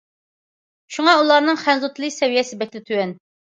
شۇڭا ئۇلارنىڭ خەنزۇ تىلى سەۋىيەسى بەكلا تۆۋەن.